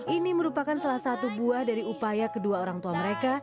ini merupakan salah satu buah dari upaya kedua orang tua mereka